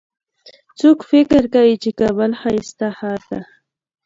څوک فکر کوي چې کابل ښایسته ښار ده